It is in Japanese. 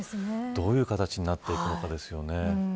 どういう形になっていくのかですよね。